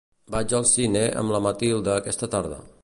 Vaig al cine amb la Matilde aquesta tarda.